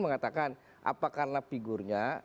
mengatakan apa karena figurnya